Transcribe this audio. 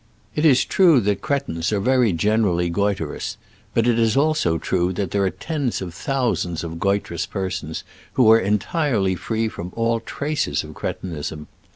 It is true that cre tins are very generally goitrous, but it is also true that there are tens of thousands of goitrous persons who are entirely free from all traces of cretinism.